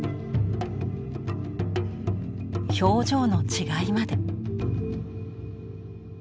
表情の違いまで。